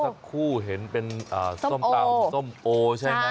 สักครู่เห็นเป็นส้มตำส้มโอใช่ไหม